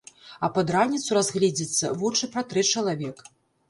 А пад раніцу разгледзіцца, вочы пратрэ чалавек.